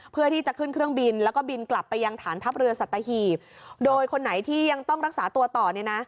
เพื่อที่จะขึ้นเครื่องบินแล้วก็บินกลับไปยังฐานทัพเรือสัตหีบโดยคนไหนที่ยังต้องรักษาตัวต่อเนี่ยนะ